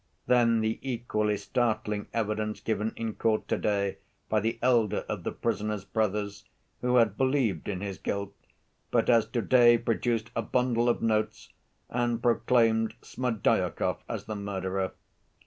Then the equally startling evidence given in court to‐day by the elder of the prisoner's brothers, who had believed in his guilt, but has to‐day produced a bundle of notes and proclaimed Smerdyakov as the murderer.